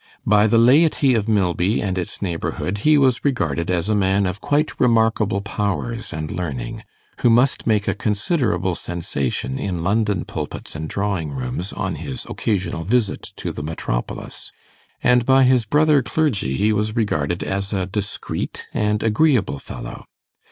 By the laity of Milby and its neighbourhood he was regarded as a man of quite remarkable powers and learning, who must make a considerable sensation in London pulpits and drawing rooms on his occasional visit to the metropolis; and by his brother clergy he was regarded as a discreet and agreeable fellow.